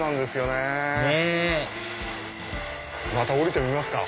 ねぇまた降りてみますか。